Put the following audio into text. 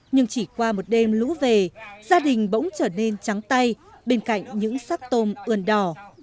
nhưng chỉ qua một đêm lũ về gia đình bỗng trở nên trắng tay bên cạnh những sắc tôm ươn đỏ